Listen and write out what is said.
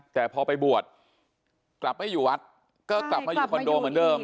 แต่พอไปบวชกลับไม่อยู่วัดก็กลับมาอยู่คอนโดเหมือนเดิม